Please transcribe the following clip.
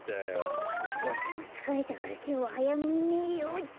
ボクもつかれたからきょうははやめにねようっと。